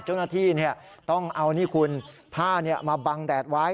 เจ้าหน้าที่ต้องเอานี่คุณผ้ามาบังแดดไว้